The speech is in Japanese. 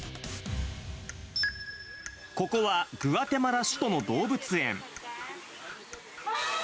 ここはグアテマラ市の動物園。